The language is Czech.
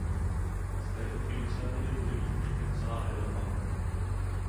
Z této iniciativy bude mít užitek celá Evropa.